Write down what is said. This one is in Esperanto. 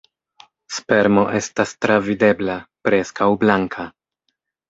Spermo estas travidebla, preskaŭ blanka.